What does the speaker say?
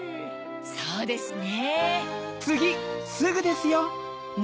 そうですね。